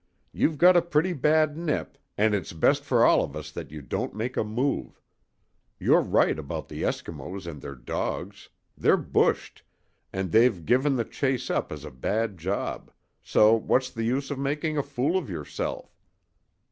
"You've got a pretty bad nip, and it's best for all of us that you don't make a move. You're right about the Eskimos and their dogs. They're bushed, and they've given the chase up as a bad job, so what's the use of making a fool of yourself?